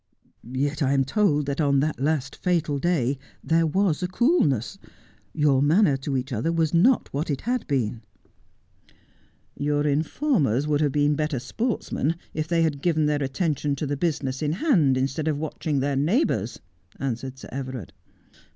' Yet I am told that on that last fatal day there was a cool ness ; your manner to each other was not what it had been.' ' Your informers would have been better sportsmen if they had given their attention to the business in hand instead of watching their neighbours,' answered Sir Everard.